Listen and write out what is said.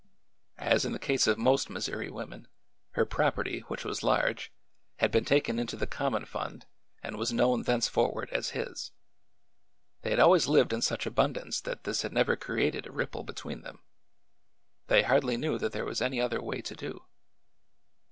As in the case of most Mis souri women, her property, which was large, had been taken into the common fund and was known thencefor ward as his. They had always lived in such abundance that this had never created a ripple between them. They hardly knew that there was any other way to do.